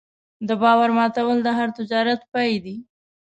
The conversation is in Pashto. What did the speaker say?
د باور ماتول د هر تجارت پای دی.